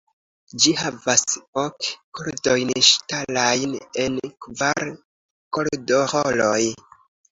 Ĝi havas ok kordojn ŝtalajn en kvar kordoĥoroj.